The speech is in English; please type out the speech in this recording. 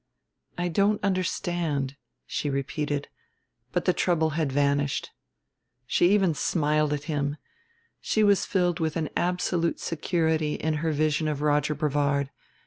"I don't understand," she repeated, but the trouble had vanished. She even smiled at him: she was filled with an absolute security in her vision of Roger Brevard.